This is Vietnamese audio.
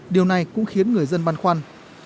điều này cũng khiến người dân băn khoăn